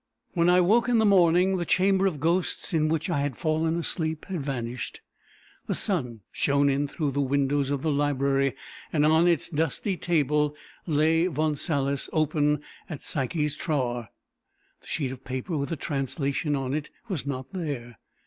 When I woke in the morning, the chamber of ghosts, in which I had fallen asleep, had vanished. The sun shone in through the windows of the library; and on its dusty table lay Von Salis, open at Pysche's Trauer. The sheet of paper with the translation on it, was not there.